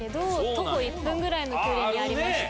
徒歩１分ぐらいの距離にありまして。